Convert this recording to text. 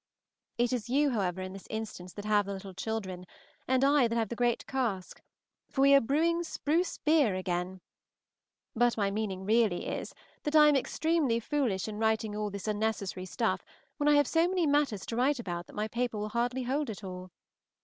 It is you, however, in this instance, that have the little children, and I that have the great cask, for we are brewing spruce beer again; but my meaning really is, that I am extremely foolish in writing all this unnecessary stuff when I have so many matters to write about that my paper will hardly hold it all.